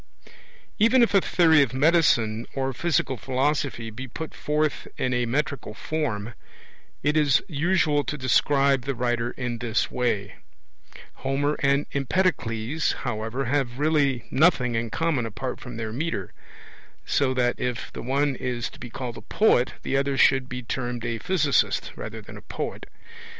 Even if a theory of medicine or physical philosophy be put forth in a metrical form, it is usual to describe the writer in this way; Homer and Empedocles, however, have really nothing in common apart from their metre; so that, if the one is to be called a poet, the other should be termed a physicist rather than a poet.